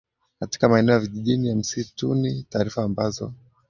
katika maeneo ya vijijini ya msituni taarifa ambazo